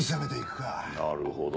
なるほど。